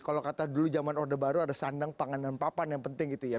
kalau kata dulu zaman orde baru ada sandang pangan dan papan yang penting gitu ya